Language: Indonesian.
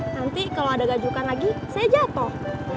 nanti kalau ada gajukan lagi saya jatuh